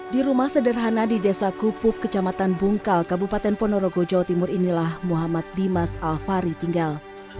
di rumah sederhana di desa kupuk kecamatan bungkal kabupaten ponorogo jawa timur inilah muhammad dimas alfari tinggal